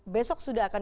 besok sudah akan